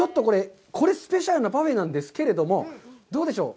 これ、スペシャルなパフェなんですけれども、どうでしょう。